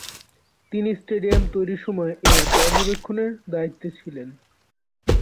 তিনি স্টেডিয়াম তৈরির সময়ে এর পর্যবেক্ষণের দায়িত্বে ছিলেন।